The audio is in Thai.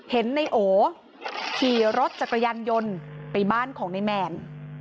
เห็นในโอขี่รถจักรยานยนต์ไปบ้านของในแมน